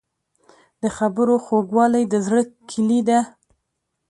د خبرو خوږوالی د زړه کیلي ده.